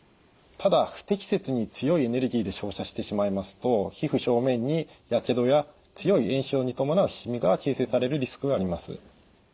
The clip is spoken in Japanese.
ただ不適切に強いエネルギーで照射してしまいますと皮膚表面にやけどや強い炎症に伴うしみが形成されるリスクがあります。